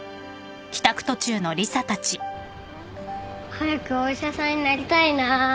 早くお医者さんになりたいな。